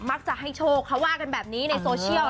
มักจะให้โชคเขาว่ากันแบบนี้ในโซเชียล